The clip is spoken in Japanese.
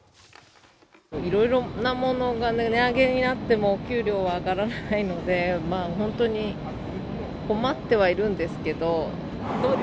いろいろなものが値上げになってもお給料は上がらないので、本当に困ってはいるんですけど。